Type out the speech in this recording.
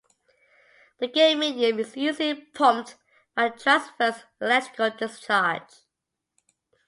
The gain medium is usually pumped by a transverse electrical discharge.